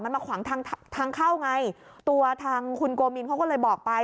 มันมาขวางทางทางเข้าไงตัวทางคุณโกมินเขาก็เลยบอกไป